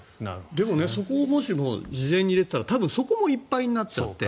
でも、そこをもしも事前に入れていたら多分そこもいっぱいになっちゃって。